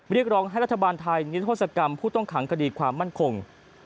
เรียกร้องให้รัฐบาลไทยนิทธศกรรมผู้ต้องขังคดีความมั่นคง